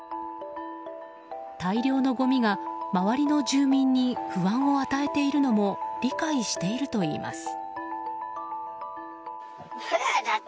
大量のごみが周りの住民に不安を与えているのも理解しているといいます。